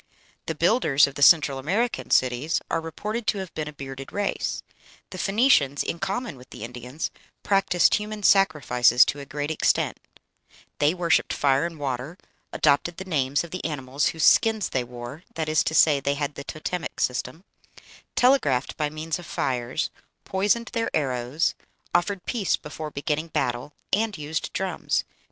The builders of the Central American cities are reported to have been a bearded race. The Phoenicians, in common with the Indians, practised human sacrifices to a great extent; they worshipped fire and water, adopted the names of the animals whose skins they wore that is to say, they had the totemic system telegraphed by means of fires, poisoned their arrows, offered peace before beginning battle, and used drums.